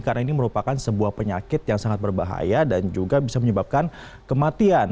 karena ini merupakan sebuah penyakit yang sangat berbahaya dan juga bisa menyebabkan kematian